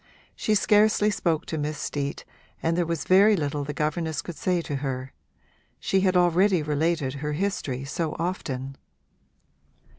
She scarcely spoke to Miss Steet and there was very little the governess could say to her: she had already related her history so often.